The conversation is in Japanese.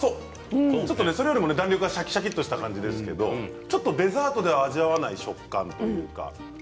それよりも食感がシャキシャキとした感じですけれどもちょっとデザートでは味わえない食感というか。